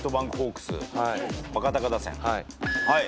はい。